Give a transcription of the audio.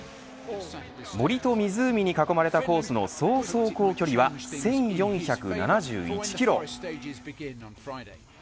森と湖に囲まれたコースの総走行距離は１４７１キロ。